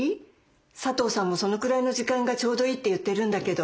佐藤さんもそのくらいの時間がちょうどいいって言ってるんだけど」。